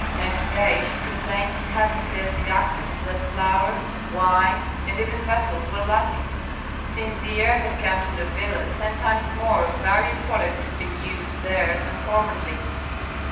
Next day she complained in heaven piercing accents that flour, wine, and even vessels were lacking. Since the heir had come to the villa ten times more of various products had been used there than formerly.